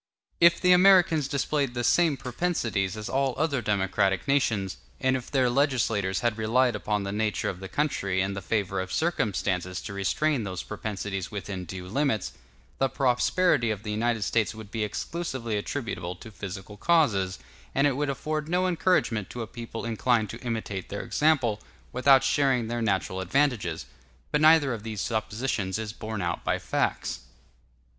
If the Americans displayed the same propensities as all other democratic nations, and if their legislators had relied upon the nature of the country and the favor of circumstances to restrain those propensities within due limits, the prosperity of the United States would be exclusively attributable to physical causes, and it would afford no encouragement to a people inclined to imitate their example, without sharing their natural advantages. But neither of these suppositions is borne out by facts.